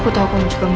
aku tau kamu juga mau